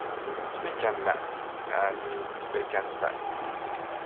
"Speak and Math" and "Speak and Spell".